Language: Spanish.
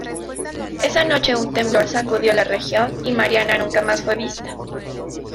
Esa noche, un temblor sacudió la región y Mariana nunca más fue vista.